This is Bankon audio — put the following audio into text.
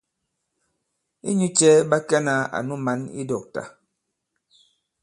Inyū cɛ̄ ɓa kɛnā ànu mǎn i dɔ̂kta ?